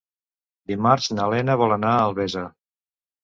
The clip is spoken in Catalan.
Dimarts na Lena vol anar a Albesa.